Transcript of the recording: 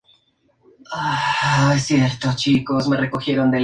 Cada analista se encarga de puntuar con una nota entre uno y diez.